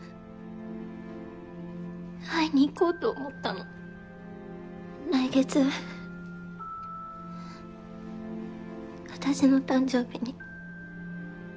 会いにいこうと思ったの来月私の誕生日に。